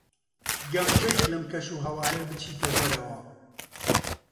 گەمژەیت لەم کەشوهەوایە بچیتە دەرەوە.